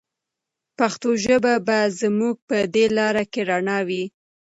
پښتو ژبه به زموږ په دې لاره کې رڼا وي.